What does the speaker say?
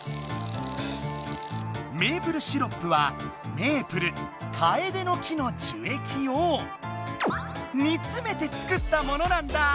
メープルシロップはメープルカエデの木の樹液をにつめて作ったものなんだ。